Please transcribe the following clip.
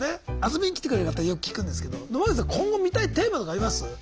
遊びに来てくれる方よく聞くんですけど野間口さん今後見たいテーマとかあります？